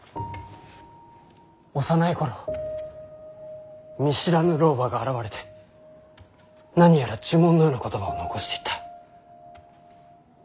幼い頃見知らぬ老婆が現れて何やら呪文のような言葉を残していった。